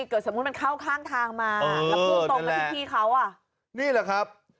เกิดสมมุติมันเข้าข้างทางมาแล้วพุ่งตรงมาที่พี่เขาอ่ะนี่แหละครับ